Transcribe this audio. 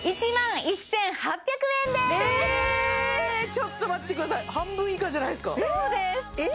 ちょっと待ってください半分以下じゃないですかそうですえっ？